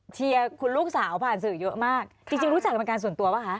เชียร์คุณลูกสาวผ่านสื่อเยอะมากจริงรู้จักเป็นการส่วนตัวป่ะคะ